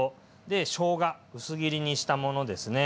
でしょうが薄切りにしたものですね。